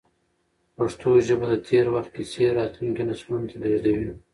پښتو ژبه د تېر وخت کیسې راتلونکو نسلونو ته لېږدوي.